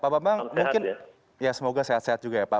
pak bambang semoga sehat sehat juga ya pak